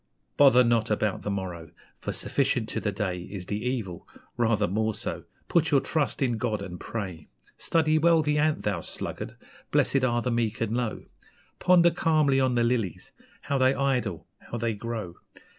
..... Bother not about the morrow, for sufficient to the day Is the evil (rather more so). Put your trust in God and pray! Study well the ant, thou sluggard. Blessed are the meek and low. Ponder calmly on the lilies how they idle, how they grow.